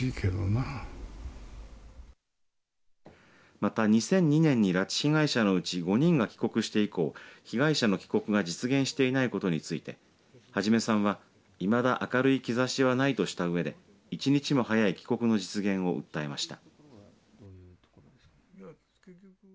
また２００２年に拉致被害者のうち５人が帰国して以降被害者の帰国が実現していないことについて孟さんは、いまだ明るい兆しはないとしたうえで一日も早い帰国の実現を訴えました。